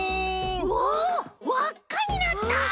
うわわっかになった！